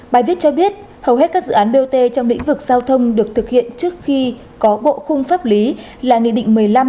bài viết cho biết hầu hết các dự án bot trong lĩnh vực giao thông được thực hiện trước khi có bộ khung pháp lý là nghị định một mươi năm